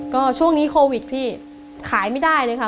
ก็ช่วงนี้โควิดพี่ขายไม่ได้เลยค่ะ